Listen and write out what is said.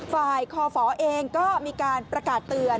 คอฝเองก็มีการประกาศเตือน